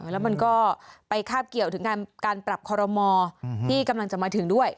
แล้วมันก็ไปคาบเกี่ยวถึงการปรับคอรมอที่กำลังจะมาถึงด้วย